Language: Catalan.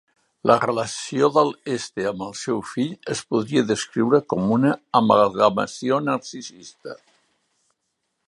La relació de l'Else amb el seu fill es podria descriure com una "amalgamació narcisista".